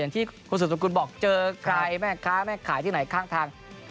ที่คุณสุดสกุลบอกเจอใครแม่ค้าแม่ขายที่ไหนข้างทาง